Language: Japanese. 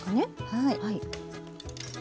はい。